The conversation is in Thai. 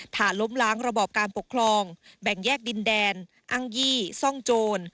ฐานล้มล้างระบอบการปกครองแบ่งแยกดินแดนอ้างยี่ซ่องโจร